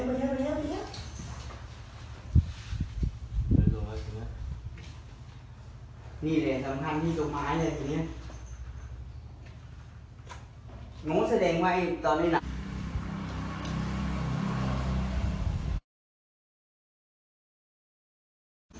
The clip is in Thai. ตอนนี้ก็ไม่มีเวลาให้กลับไปแต่ตอนนี้ก็ไม่มีเวลาให้กลับไป